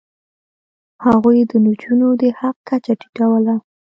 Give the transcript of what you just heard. هغوی د نجونو د حق کچه ټیټوله.